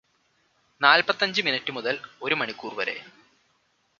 നാൽപ്പത്തഞ്ചു മിനുറ്റുമുതൽ ഒരു മണിക്കൂർ വരെ